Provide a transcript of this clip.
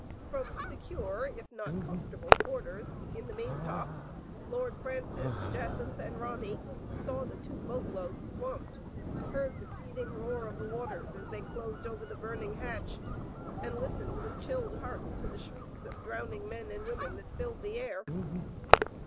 From secure if not comfortable quarters in the maintop Lord Fran cis, Jacynth, and Ronny saw the two boatloads swamped, heard the seething roar of the waters as they closed over the burning hatch, and lis tened with chilled hearts to the shrieks of drown ing men and women that filled the air.